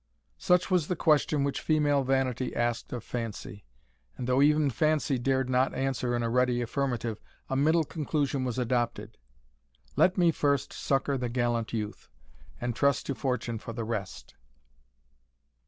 Such was the question which female vanity asked of fancy; and though even fancy dared not answer in a ready affirmative, a middle conclusion was adopted "Let me first succour the gallant youth, and trust to fortune for the rest."